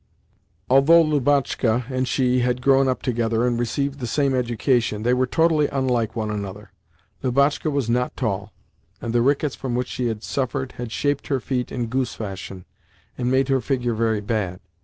Although Lubotshka and she had grown up together and received the same education, they were totally unlike one another. Lubotshka was not tall, and the rickets from which she had suffered had shaped her feet in goose fashion and made her figure very bad.